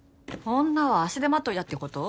女は足手まといだってこと？